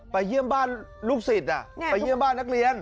เยี่ยมบ้านลูกศิษย์ไปเยี่ยมบ้านนักเรียน